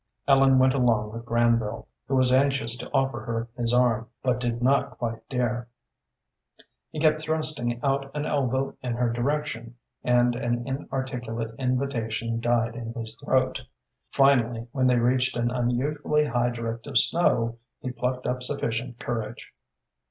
Ellen went along with Granville, who was anxious to offer her his arm, but did not quite dare. He kept thrusting out an elbow in her direction, and an inarticulate invitation died in his throat. Finally, when they reached an unusually high drift of snow, he plucked up sufficient courage.